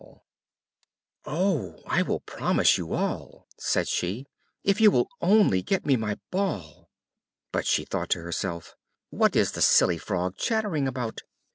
"Oh, I will promise you all," said she, "if you will only get me my ball." But she thought to herself, "What is the silly Frog chattering about?